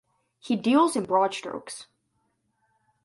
He deals in broad strokes.